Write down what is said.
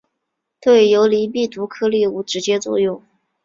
对游离病毒颗粒无直接作用。